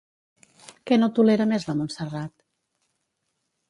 Què no tolera més la Montserrat?